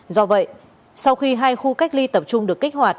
do vậy sau khi hai khu cách ly tập trung được kích hoạt